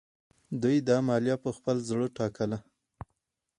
دوی دا مالیه په خپل زړه ټاکله.